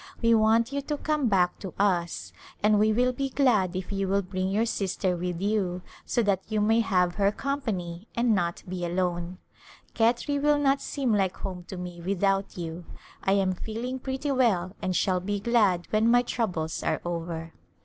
We want you to come back to us and we will be glad if you will bring your sister with you so that you may have her company and not be alone. Khetri will not seem like home to me with out you. I am feeling pretty well and shall be glad when my troubles are over.